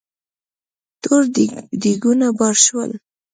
تور دېګونه بار شول.